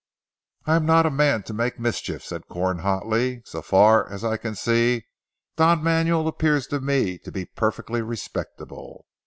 "I am not the man to make mischief," said Corn hotly, "so far as I can see Don Manuel appears to me to be perfectly respectable.